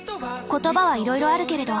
言葉はいろいろあるけれど。